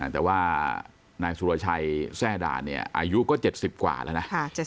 แต่ว่านายสุรชัยแทร่ด่านอายุก็๗๐กว่าแล้วนะ